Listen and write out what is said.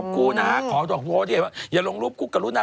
มาดูละ